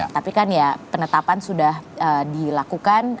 tapi kan ya penetapan sudah dilakukan